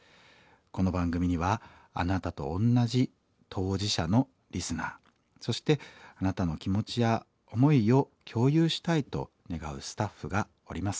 この番組にはあなたと同じ当事者のリスナーそしてあなたの気持ちや思いを共有したいと願うスタッフがおります。